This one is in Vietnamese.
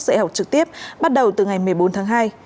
dạy học trực tiếp bắt đầu từ ngày một mươi bốn tháng hai